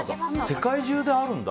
世界中であるんだ。